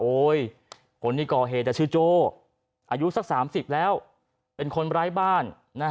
คนที่ก่อเหตุชื่อโจ้อายุสัก๓๐แล้วเป็นคนร้ายบ้าน